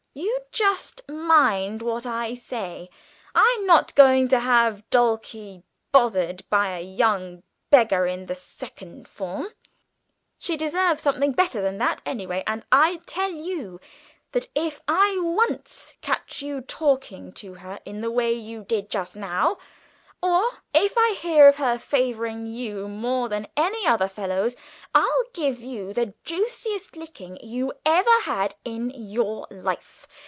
"You just mind what I say. I'm not going to have Dulcie bothered by a young beggar in the second form; she deserves something better than that, anyway, and I tell you that if I once catch you talking to her in the way you did just now, or if I hear of her favouring you more than any other fellows, I'll give you the very juiciest licking you ever had in your life.